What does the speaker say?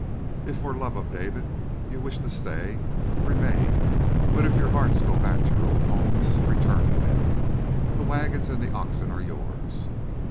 If for love of David, you wish to stay, remain; but if your hearts go back to your old homes, return to them. The wagons and the oxen are yours.